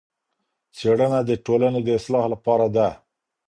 څېړنه د ټولني د اصلاح لپاره ده.